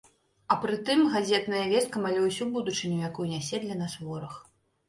А прытым, газетная вестка малюе ўсю будучыню, якую нясе для нас вораг.